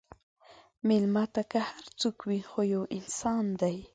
مېلمه ته که هر څوک وي، خو یو انسان دی.